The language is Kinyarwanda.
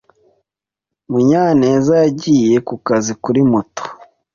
Munyaneza yagiye kukazi kuri moto.